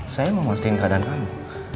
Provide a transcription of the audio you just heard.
saya mau ngasihin keadaan kamu